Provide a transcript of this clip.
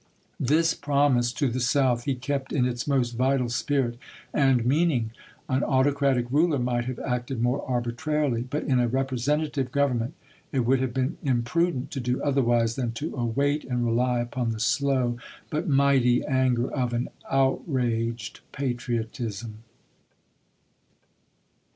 This promise to the South he kept in its most vital spirit and meaning. An au tocratic ruler might have acted more arbitrarily; but in a representative government it would have been imprudent to do otherwise than to await and rely upon the slow but mighty anger of an outraged patriotism.